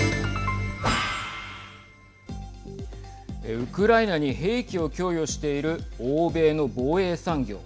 ウクライナに兵器を供与している欧米の防衛産業。